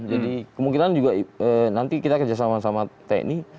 jadi kemungkinan juga nanti kita kerjasama sama tni